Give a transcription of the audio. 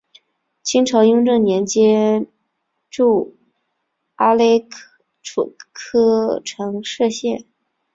清朝雍正年间筑阿勒楚喀城设县。